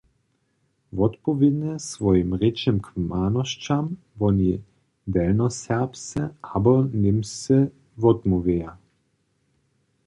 Wotpowědnje swojim rěčnym kmanosćam woni delnjoserbsce abo němsce wotmołwjeja.